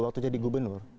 waktu jadi gubernur